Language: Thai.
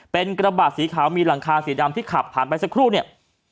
เป็นกระบะสีขาวมีหลังคาสีดำที่ขับผ่านไปสักครู่เนี่ย